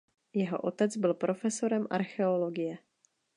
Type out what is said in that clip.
Jeho otec byl profesorem archeologie.